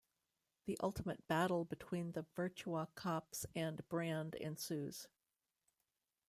The ultimate battle between the Virtua Cops and Brand ensues.